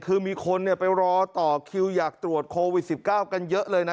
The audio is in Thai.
คือมีคนไปรอต่อคิวอยากตรวจโควิด๑๙กันเยอะเลยนะ